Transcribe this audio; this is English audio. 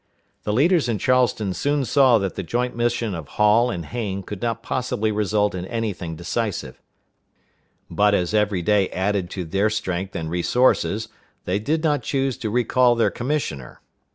The leaders in Charleston soon saw that the joint mission of Hall and Hayne could not possibly result in any thing decisive; but as every day added to their strength and resources, they did not choose to recall their commissioner.